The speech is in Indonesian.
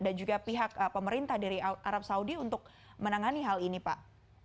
dan juga pihak pemerintah dari arab saudi untuk menangani hal ini pak